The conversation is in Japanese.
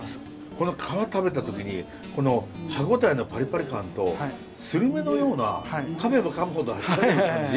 この皮食べた時にこの歯応えのパリパリ感とスルメのようなかめばかむほど味が出る感じ。